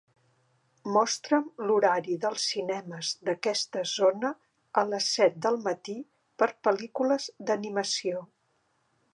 mostra'm l'horari dels cinemes d'aquesta zona a les set del matí per pel·lícules d'animació